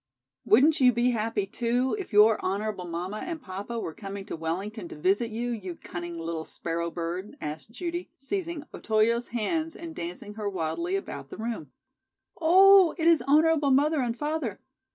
"Wouldn't you be happy, too, if your honorable mamma and papa were coming to Wellington to visit you, you cunning little sparrow bird?" asked Judy, seizing Otoyo's hands and dancing her wildly about the room. "Oh, it is honorable mother and father!